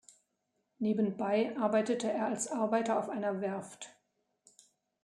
Nebenbei arbeitete er als Arbeiter auf einer Werft.